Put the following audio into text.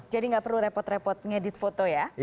jadi nggak perlu repot repot ngedit foto ya